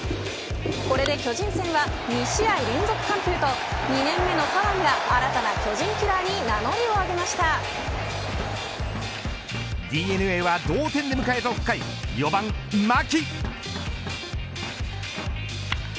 これで巨人戦は２試合連続完封と２年目の左腕が新たな巨人キラーにＤｅＮＡは同点で迎えた６回４番、牧。